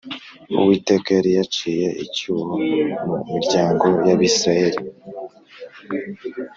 Uwiteka yari yaciye icyuho mu miryango y’Abisilaheli